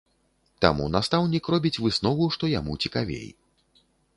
Таму настаўнік робіць выснову, што яму цікавей.